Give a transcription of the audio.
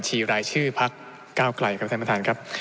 บัญชีรายชื่อภักดิ์ก้าวกไก่กับท่านประทานครับ